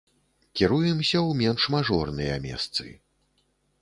Кіруемся ў менш мажорныя месцы.